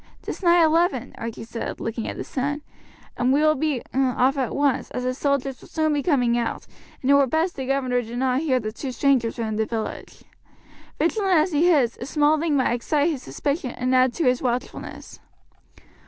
"'Tis nigh eleven," Archie said, looking at the sun, "and we will be off at once, as the soldiers will soon be coming out, and it were best the governor did not hear that two strangers were in the village. Vigilant as he is, a small thing might excite his suspicion and add to his watchfulness."